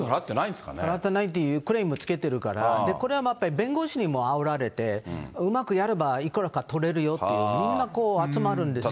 払ってないっていうクレームつけてるから、これはやっぱり弁護士にもあおられて、うまくやればいくらか取れるよっていう、みんな集まるんですよね。